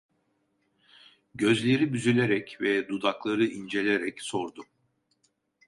Gözleri büzülerek ve dudakları incelerek sordu: